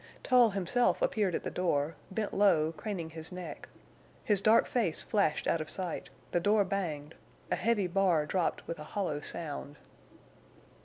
Tull himself appeared at the door, bent low, craning his neck. His dark face flashed out of sight; the door banged; a heavy bar dropped with a hollow sound.